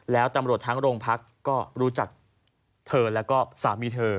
แล้วตำรวจทั้งโรงพักก็รู้จักเธอแล้วก็สามีเธอ